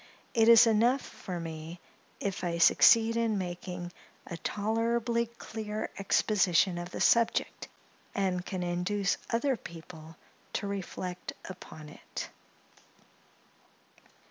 It is enough for me, if I succeed in making a tolerably clear exposition of the subject, and can induce other people to reflect upon it.